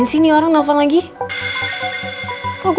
ngapain sini orang nelfon lagi tahu benci banget sama dia